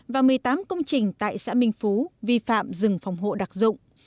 và một mươi tám công trình tại xã minh phú vi phạm rừng phòng hộ đặc dụng